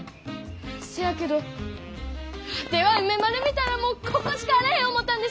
せやけどワテは梅丸見たらもうここしかあらへん思たんです！